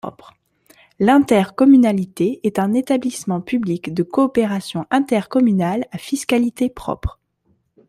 L'intercommunalité est un établissement public de coopération intercommunale à fiscalité propre.